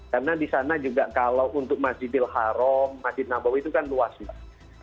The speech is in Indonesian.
karena di sana juga kalau untuk masjidil haram masjid nabaw itu kan luas mbak